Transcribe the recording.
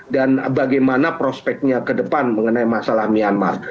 dan bagaimana prospeknya ke depan mengenai masalah myanmar